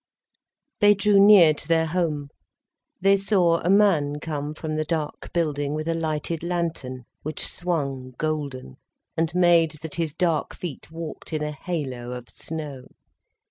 They drew near to their home. They saw a man come from the dark building, with a lighted lantern which swung golden, and made that his dark feet walked in a halo of snow.